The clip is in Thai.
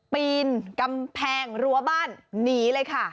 ปีนกำแพงรั้วบ้านหนีเลยค่ะ